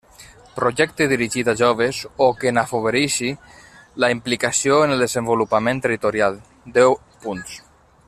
Projecte dirigit a joves o que n'afavoreixi la implicació en el desenvolupament territorial, deu punts.